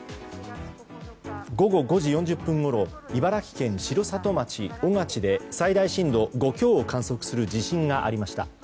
午後５時４０分ごろ茨城県城里町小勝で最大震度５強を観測する地震がありました。